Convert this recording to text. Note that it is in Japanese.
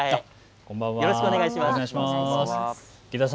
よろしくお願いします。